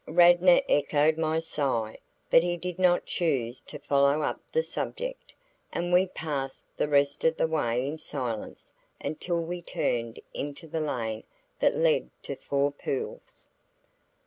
Radnor echoed my sigh but he did not choose to follow up the subject, and we passed the rest of the way in silence until we turned into the lane that led to Four Pools.